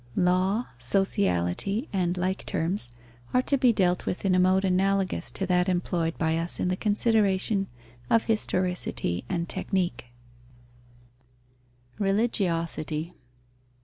Law, sociality, and like terms, are to be dealt with in a mode analogous to that employed by us in the consideration of historicity and technique. _Religiosity.